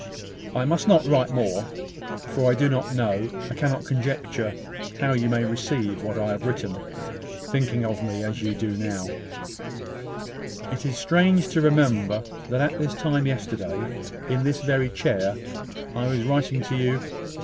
"I must not write more; for I do not know, I cannot conjecture, how you may receive what I have written, thinking of me as you now do. It seems strange to remember that at this time yesterday, in this very chair, I was writing to you.